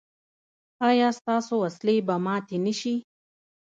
ایا ستاسو وسلې به ماتې نه شي؟